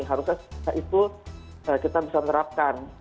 harusnya setelah itu kita bisa menerapkan